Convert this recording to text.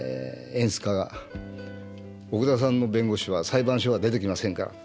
演出家が「奥田さんの弁護士は裁判所が出てきませんから」。